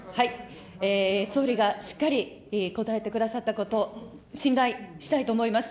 総理がしっかり答えてくださったこと、信頼したいと思います。